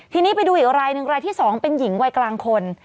ทีนี้ไปดูอีกรายหนึ่งรายที่๒เป็นหญิงวัยกลางคน